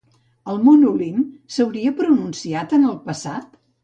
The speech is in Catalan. El mont Olimp, com s'hauria pronunciat en el passat?